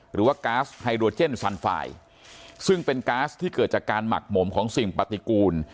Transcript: ก๊าซไฮโดรเจนซันไฟล์ซึ่งเป็นก๊าซที่เกิดจากการหมักหมมของสิ่งปฏิกูล